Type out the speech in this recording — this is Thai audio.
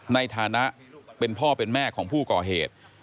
ในฐานะเป็นพ่อเป็นแม่ของผู้ก่อเหตุ